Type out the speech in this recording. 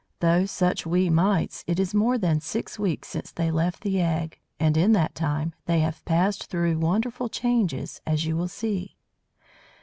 Though such wee mites, it is more than six weeks since they left the egg; and, in that time, they have passed through wonderful changes, as you will see.